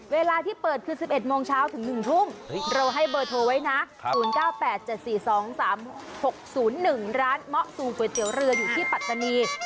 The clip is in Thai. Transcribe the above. เวลาที่เปิดคือ๑๑โมงเช้าถึง๑ทุ่มเราให้เบอร์โทรไว้นะ๐๙๘๗๔๒๓๖๐๑ร้านเมาะซูก๋วยเตี๋ยวเรืออยู่ที่ปัตตานี